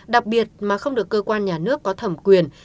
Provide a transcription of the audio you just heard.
đặc biệt mà không được cơ quan nhà nước có thẩm quyền